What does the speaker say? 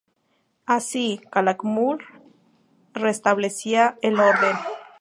Así, Calakmul restablecía el orden.